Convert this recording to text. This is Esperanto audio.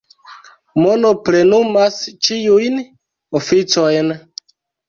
Mono plenumas ĉiujn oficojn.